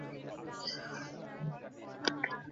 আর দু-ঘণ্টা বক্তৃতার পরেও আমার সুনিদ্রা হয়।